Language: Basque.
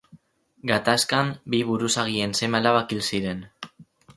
Gatazkan, bi buruzagien seme-alabak hil ziren.